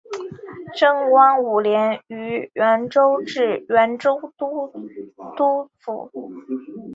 贞观五年于原州置原州都督府。